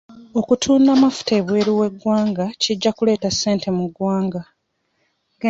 Okutunda amafuta ebweru w'eggwanga kijja kuleeta ssente mu ggwanga.